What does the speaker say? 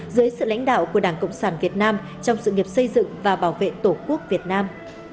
dưới sự lãnh đạo của đảng cộng sản việt nam trong sự nghiệp xây dựng và bảo vệ tổ quốc việt nam